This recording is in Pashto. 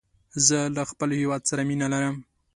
زه له خپل هېواد سره مینه لرم.